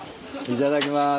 いただきます。